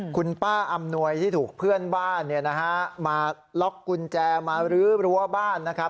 คุณป้าอำนวยที่ถูกเพื่อนบ้านมาล็อกกุญแจมารื้อรั้วบ้านนะครับ